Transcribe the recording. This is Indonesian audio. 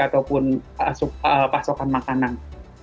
ataupun pasokan makanan